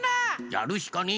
やるしかねえ！